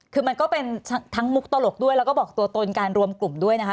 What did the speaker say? คือมันก็เป็นทั้งมุกตลกด้วยแล้วก็บอกตัวตนการรวมกลุ่มด้วยนะคะ